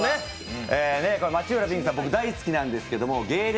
街裏ぴんくさん、僕、大好きなんですけど芸歴